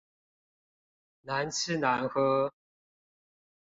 難吃難喝